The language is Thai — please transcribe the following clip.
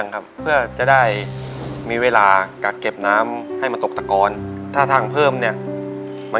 ในแคมเปญพิเศษเกมต่อชีวิตโรงเรียนของหนู